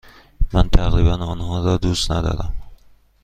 من تقریبا آنها را دوست ندارم.